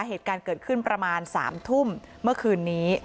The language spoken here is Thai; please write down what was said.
เหตุการณ์เกิดขึ้นประมาณ๓ทุ่มเมื่อคืนนี้